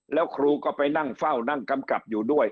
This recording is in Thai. แล้วครูก็ไปนั่งเฝ้านั่งกำกับอยู่ด้วย